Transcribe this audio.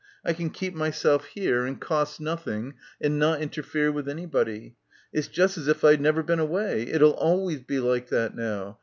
I can keep myself here and cost nothing and not interfere with anybody. It's just as if I'd never been away. It'll always be like that now.